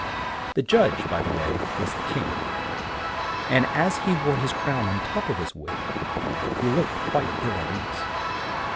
The judge, by the way, was the King, and as he wore his crown on top of his wig, he looked quite ill at ease.